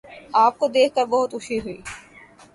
آپ کو دیکھ کر بہت خوشی ہوئی